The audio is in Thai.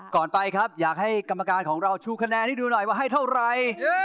ไปครับอยากให้กรรมการของเราชูคะแนนให้ดูหน่อยว่าให้เท่าไร